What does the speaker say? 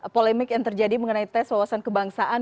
polemik yang terjadi mengenai tes wawasan kebangsaan